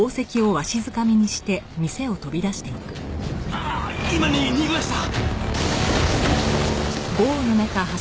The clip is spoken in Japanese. ああ今逃げました！